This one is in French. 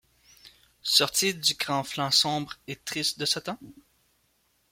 Sorti du grand flanc sombre et triste de Satan ?